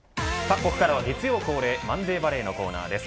ここからは、月曜恒例マンデーバレーのコーナーです。